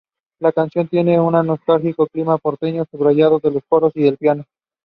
The collection is now housed in Tel Aviv and is difficult to access.